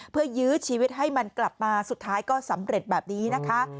เพื่อยื้อชีวิตให้มันกลับมาสุดท้ายก็สำเร็จแบบนี้นะคะ